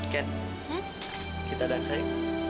kat kita dansai